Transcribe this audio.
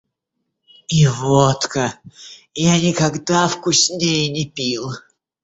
И водка — я никогда вкуснее не пил!